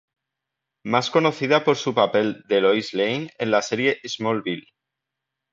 Más conocida por su papel de Lois Lane en la serie "Smallville".